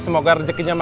semoga rezekinya masuah